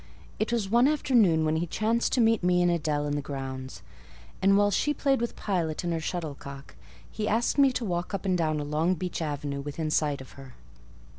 It was one afternoon, when he chanced to meet me and Adèle in the grounds: and while she played with Pilot and her shuttlecock, he asked me to walk up and down a long beech avenue within sight of her.